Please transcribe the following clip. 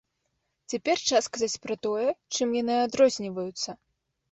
Цяпер час сказаць пра тое, чым яны адрозніваюцца.